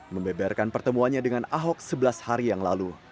membeberkan pertemuannya dengan ahok sebelas hari yang lalu